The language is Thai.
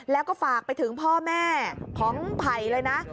แล้วก็ฝากไปถึงพ่อแม่ของไผ่เลยนะ